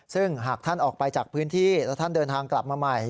ซึ่งหากท่านออกไปจากพื้นที่และท่านเดินทางกลับมาใหม่